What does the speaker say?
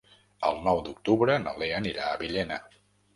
El nou d'octubre na Lea anirà a Villena.